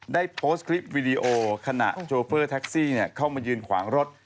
ได้โพสต์คลิปวิดีโอขณะโชเฟอร์แท็กซี่เข้ามายืนขวางรถ